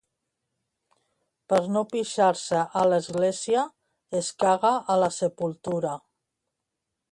Per no pixar-se a l'església, es caga a la sepultura.